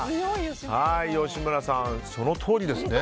吉村さん、そのとおりですね。